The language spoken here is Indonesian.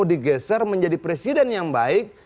digeser menjadi presiden yang baik